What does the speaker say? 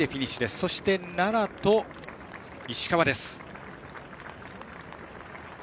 そして奈良と石川です。